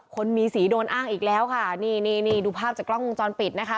คนมีสีโดนอ้างอีกแล้วค่ะนี่นี่ดูภาพจากกล้องวงจรปิดนะคะ